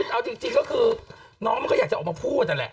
เอาจริงก็คือน้องมันก็อยากจะออกมาพูดนั่นแหละ